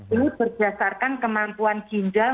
ini berdasarkan kemampuan ginjal